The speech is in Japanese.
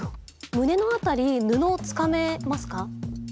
胸の辺り布を掴めますか？